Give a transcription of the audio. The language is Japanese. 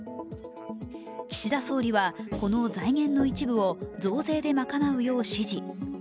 岸田総理はこの財源の一部を増税で賄うよう指示。